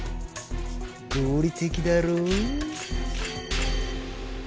合理的だろ？